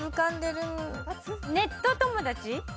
ネット友達？